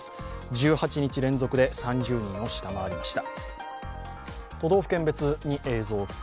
１８日連続で３０人を下回りました。